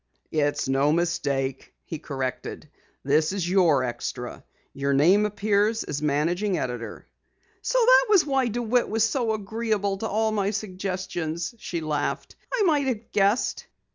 "It's no mistake," he corrected. "This is your extra. Your name appears as Managing Editor." "So that was why DeWitt was so agreeable to all my suggestions?" she laughed. "I might have guessed."